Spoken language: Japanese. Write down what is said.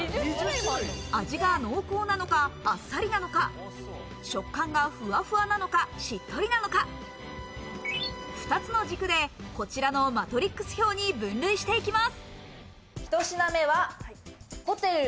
味が濃厚なのか、あっさりなのか、食感がふわふわなのか、しっとりなのか、２つの軸でこちらのマトリックス表に分類していきます。